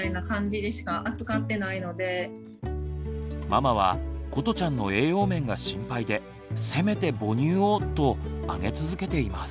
ママはことちゃんの栄養面が心配でせめて母乳をとあげ続けています。